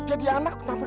jadi anak kenapa